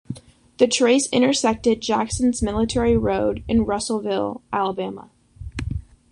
The trace intersected Jackson's Military Road in Russellville, Alabama.